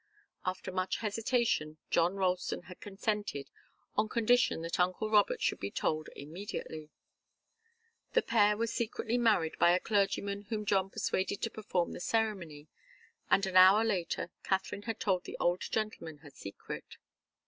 After much hesitation John Ralston had consented, on condition that uncle Robert should be told immediately. The pair were secretly married by a clergyman whom John persuaded to perform the ceremony, and an hour later Katharine had told the old gentleman her secret.